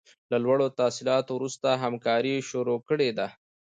له لوړو تحصیلاتو وروسته همکاري شروع کړې ده.